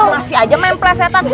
masih aja main plesetan